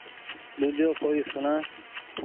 ۮوجو ڪوئي سوڻآ